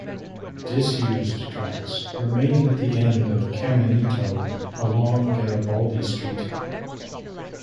Disused tracks remain at the end of Caminito, along Garibaldi Street.